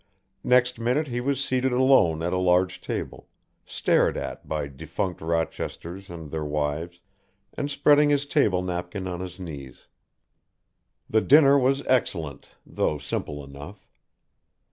Next minute he was seated alone at a large table, stared at by defunct Rochesters and their wives, and spreading his table napkin on his knees. The dinner was excellent, though simple enough.